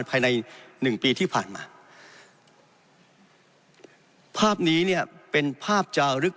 ภายในหนึ่งปีที่ผ่านมาภาพนี้เนี่ยเป็นภาพจารึก